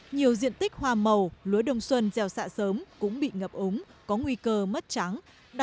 nhiều diện tích hoa màu lúa đông xuân gieo xạ sớm cũng bị ngập ống có nguy cơ mất trắng